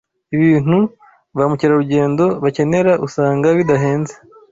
Ibintu ba mukerarugendo bakenera usanga bidahenze